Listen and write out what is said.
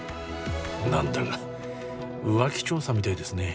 何だか浮気調査みたいですね